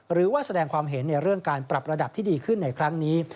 หรือว่าแสดงความเห็นในเรื่องการปรับระดับที่ดีขึ้นในครั้งนี้